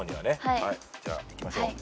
じゃあいきましょう。